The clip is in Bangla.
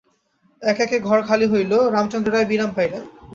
একে একে ঘর খালি হইল, রামচন্দ্র রায় বিরাম পাইলেন!